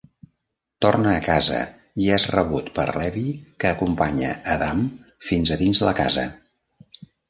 Torna a casa i és rebut per Levi, que acompanya Adam fins a dins la casa.